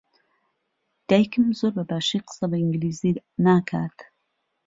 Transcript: دایکم زۆر بەباشی قسە بە ئینگلیزی ناکات.